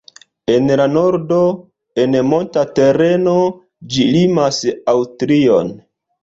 En la nordo, en monta tereno, ĝi limas Aŭstrion.